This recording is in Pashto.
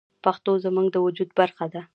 پښتو زموږ د وجود برخه ده.